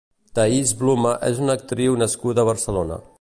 Thaïs Blume és una actriu nascuda a Barcelona.